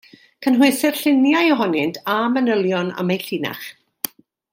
Cynhwysir lluniau ohonynt a manylion am eu llinach.